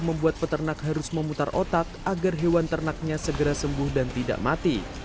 membuat peternak harus memutar otak agar hewan ternaknya segera sembuh dan tidak mati